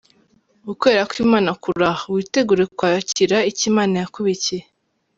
Ukwera kw’Imana kuri aha, witegure kwakira icyo Imana yakubikiye.